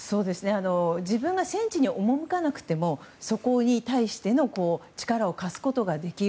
自分が戦地に赴かなくてもそこに対しての力を貸すことができる